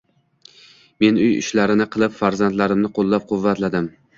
Men uy ishlarini qilib, farzandlarimni qoʻllab-quvvatladim